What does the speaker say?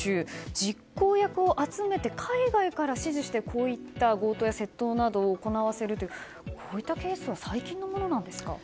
実行役を集めて海外から指示してこういった強盗や窃盗などを行わせるというこういったケースは最近のものなんですか。